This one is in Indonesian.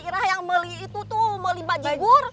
irah yang beli itu tuh beli baju gur